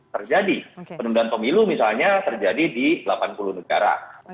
terjadi penundaan pemilu misalnya terjadi di delapan puluh negara